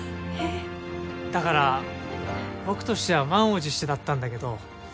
だから僕としては満を持してだったんだけど。